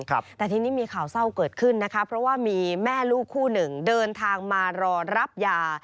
แต่ทีนี้มีข่าวเศร้าเกิดขึ้นนะคะเพราะว่ามีแม่ลูกคู่หนึ่งเดินทางมารอรับยา